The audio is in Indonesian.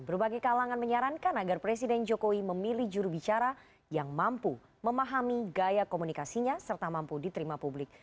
berbagai kalangan menyarankan agar presiden jokowi memilih jurubicara yang mampu memahami gaya komunikasinya serta mampu diterima publik